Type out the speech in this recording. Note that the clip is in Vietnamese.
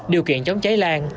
điều kiện chống cháy lan